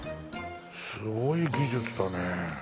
すごい技術だね。